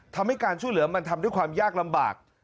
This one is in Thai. ทำให้การช่วยเหลือมันทำด้วยความยากลำบาก